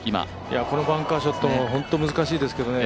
このバンカーショット、本当に難しいですけどね。